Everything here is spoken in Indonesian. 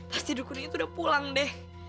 pasti dukun itu udah pulang deh